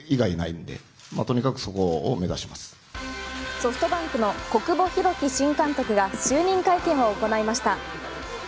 ソフトバンクの小久保裕紀新監督が就任会見を行いました。